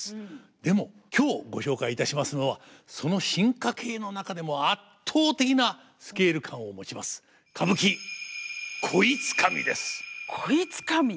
でも今日ご紹介いたしますのはその進化形の中でも圧倒的なスケール感を持ちます「鯉つかみ」。